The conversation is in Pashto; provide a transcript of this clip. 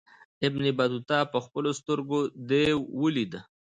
ابن بطوطه پخپلو سترګو دېو ولید.